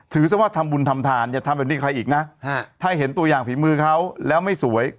ซะว่าทำบุญทำทานอย่าทำแบบนี้ใครอีกนะถ้าเห็นตัวอย่างฝีมือเขาแล้วไม่สวย